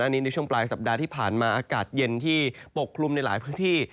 อันนี้ในช่วงปลายสัปดาห์ที่ผ่านมาอากาศเย็นที่ปกคลุมในหลายพื้นที่